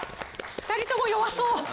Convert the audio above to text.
２人とも弱そう。